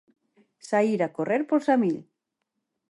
Saíra correr por Samil.